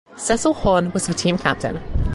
Cecil Horne was the team captain.